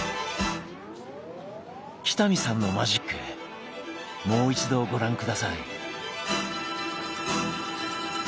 北見さんのマジックもう一度ご覧下さい。